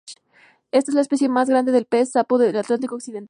Esta es la especie más grande de pez sapo del Atlántico occidental.